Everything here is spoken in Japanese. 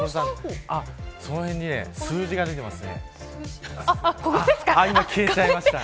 その辺に数字が出ています。